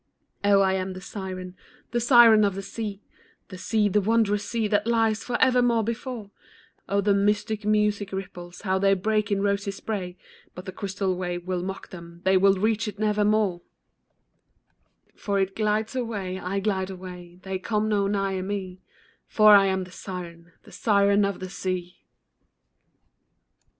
Oh, I am the siren, the siren of the sea, The sea, the wondrous sea, that lies forevermore before; Oh, the mystic music ripples, how they break in rosy spray, But the crystal wave will mock them, they will reach it nevermore, For it glides away, I glide away, they come no nigher me, For I am the siren, the siren of the sea.